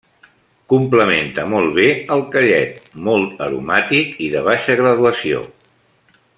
Complementa molt bé el callet, molt aromàtic i de baixa graduació.